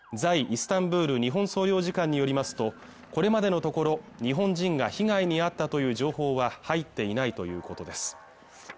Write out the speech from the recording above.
イスタンブール日本総領事館によりますとこれまでのところ日本人が被害に遭ったという情報は入っていないということです